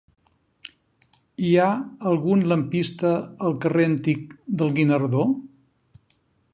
Hi ha algun lampista al carrer Antic del Guinardó?